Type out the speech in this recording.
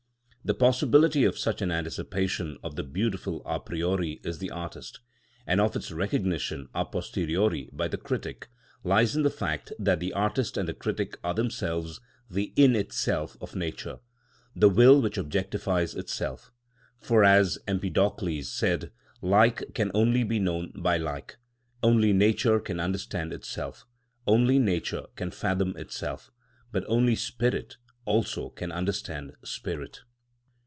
The possibility of such an anticipation of the beautiful a priori in the artist, and of its recognition a posteriori by the critic, lies in the fact that the artist and the critic are themselves the "in itself" of nature, the will which objectifies itself. For, as Empedocles said, like can only be known by like: only nature can understand itself: only nature can fathom itself: but only spirit also can understand spirit.